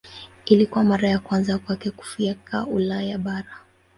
Ilikuwa mara ya kwanza kwake kufika Ulaya bara.